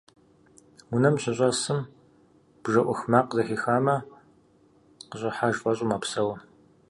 Унэм щыщӀэсым, бжэ Ӏух макъ зэхихамэ, къыщӀыхьэж фӀэщӀу мэпсэу.